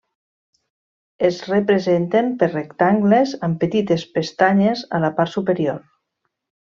Es representen per rectangles amb petites pestanyes a la part superior.